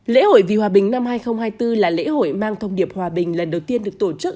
lễ hội vì hòa bình năm hai nghìn hai mươi bốn là lễ hội mang thông điệp hòa bình lần đầu tiên được tổ chức